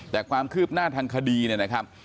แต่ความคืบหน้าทางคดีเนี่ยนะครับ